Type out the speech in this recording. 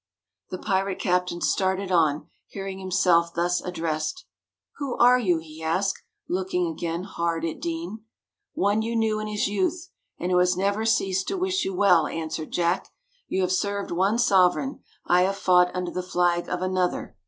The pirate captain started on hearing himself thus addressed. "Who are you?" he asked, looking again hard at Deane. "One you knew in his youth, and who has never ceased to wish you well," answered Jack. "You have served one sovereign I have fought under the flag of another.